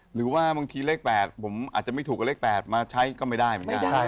หรือว่าบางทีเลข๘ผมอาจจะไม่ถูกกับเลข๘มาใช้ก็ไม่ได้เหมือนกัน